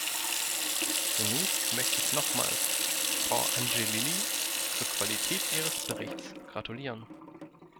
Zunächst möchte ich nochmals Frau Angelilli zur Qualität ihres Berichts gratulieren.